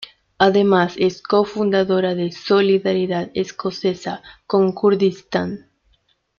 Además, es co-fundadora de Solidaridad escocesa con Kurdistán.